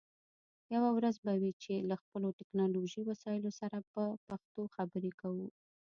یوه ورځ به وي چې له خپلو ټکنالوژی وسایلو سره په پښتو خبرې کوو